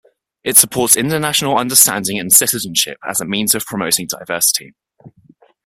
It supports international understanding and citizenship as a means of promoting diversity.